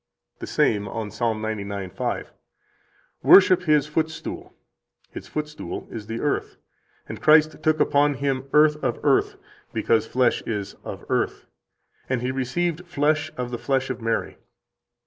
85 The same, on Ps. 99:5 (t. 8, p. 1103): "'Worship His footstool.' His footstool is the earth, and Christ took upon Him earth of earth, because flesh is of earth; and He received flesh of the flesh of Mary.